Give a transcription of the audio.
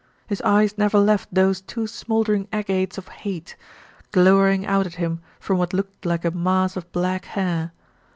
His eyes never left those two smouldering agates of hate, glowering out at him from what looked like a mass of black hair.